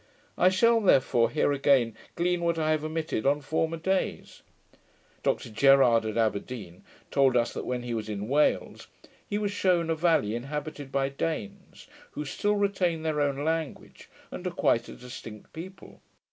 I shall therefore here again glean what I have omitted on former days. Dr Gerard, at Aberdeen, told us, that when he was in Wales, he was shewn a valley inhabited by Danes, who still retain their own language, and are quite a distinct people.